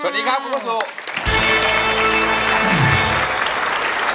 สวัสดีครับคุณภาษู